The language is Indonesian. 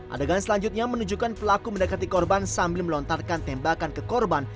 adegan selanjutnya menunjukkan pelaku mendekati korban sambil melontarkan tembakan ke korban